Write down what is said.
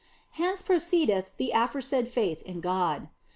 Hence proceedeth the aforesaid faith in God.